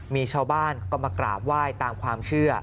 มีชาวบ้านก็มากราบไหว้ตามความเชื่อ